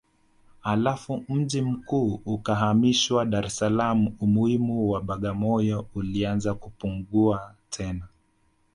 Halafu mji mkuu ukahamishwa Dar es Salaam Umuhimu wa Bagamoyo ulianza kupungua tena